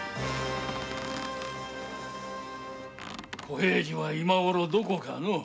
小平次は今ごろどこかのう。